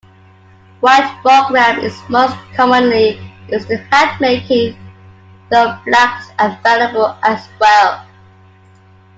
White buckram is most commonly used in hatmaking, though black is available as well.